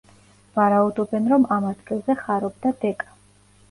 ვარაუდობენ, რომ ამ ადგილზე ხარობდა დეკა.